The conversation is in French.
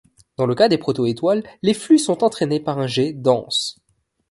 Dans le cas des proto-étoiles, les flux sont entraînés par un jet dense.